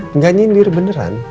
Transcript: enggak menyindir beneran